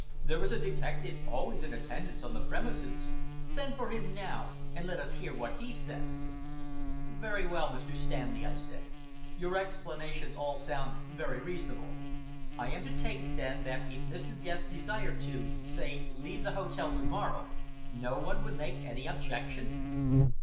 "There is a detective always in attendance on the premises. Send for him now, and let us hear what he says." "Very well, Mr. Stanley," I said, "your explanations all sound very reasonable. I am to take it, then, that if Mr. Guest desired to say leave the hotel to morrow, no one would make any objection!"